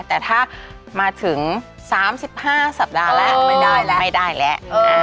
แต่ถ้ามาถึง๓๕สัปดาห์แล้วไม่ได้แล้ว